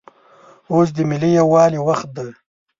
اوس دملي یووالي وخت دی